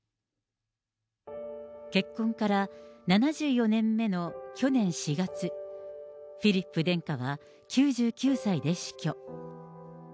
結婚から７４年目の去年４月、フィリップ殿下は９９歳で死去。